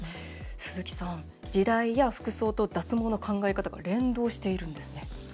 鈴木さん時代や服装と脱毛の考え方が連動しているんですね。